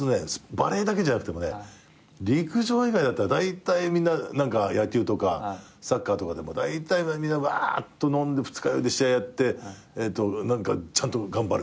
バレーだけじゃなくてもね陸上以外だったらだいたいみんな野球とかサッカーとかでもだいたいみんなわーっと飲んで二日酔いで試合やって何かちゃんと頑張るみたいなね。